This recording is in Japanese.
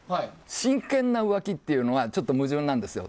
真剣な浮気というのはちょっと矛盾なんですよ。